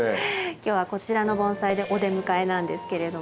今日はこちらの盆栽でお出迎えなんですけれども。